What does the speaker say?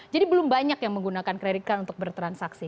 jadi belum banyak yang menggunakan kredit card untuk bertransaksi